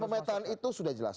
pemetaan itu sudah jelas